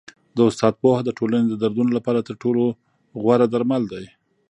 د استاد پوهه د ټولني د دردونو لپاره تر ټولو غوره درمل دی.